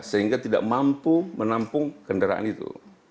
sehingga tidak mampu menampung kendaraan itu